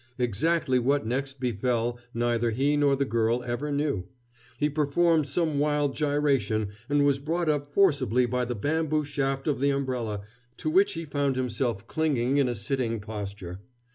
Exactly what next befell neither he nor the girl ever knew. He performed some wild gyration, and was brought up forcibly by the bamboo shaft of the umbrella, to which he found himself clinging in a sitting posture.